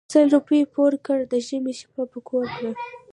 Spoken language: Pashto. سل روپی پور کړه د ژمي شپه په کور کړه .